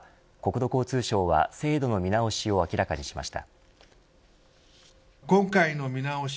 土交通省は制度の見直しを明らかにしました。